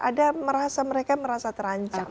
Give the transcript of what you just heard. ada merasa mereka merasa terancam